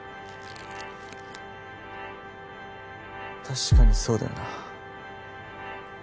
確かにそうだよな。